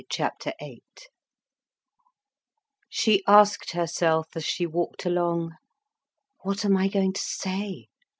Chapter Eight She asked herself as she walked along, "What am I going to say?